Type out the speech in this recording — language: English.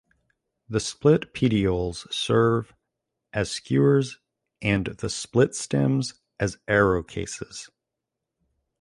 The split petioles serve as skewers and the split stems as arrow cases.